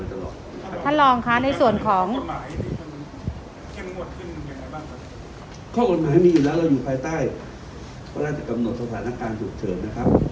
ข้อกฎหมายมีอยู่แล้วเราอยู่ภายใต้พระราชกำหนดสถานการณ์ฉุกเฉินนะครับ